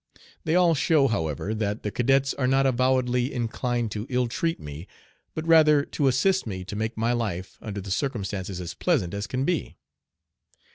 They all show, however, that the cadets are not avowedly inclined to ill treat me, but rather to assist me to make my life under the circumstances as pleasant as can be.